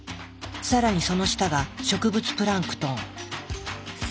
更にその下が植物プランクトン。